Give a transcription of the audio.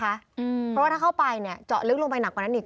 เพราะว่าถ้าเข้าไปเนี่ยเจาะลึกลงไปหนักกว่านั้นอีก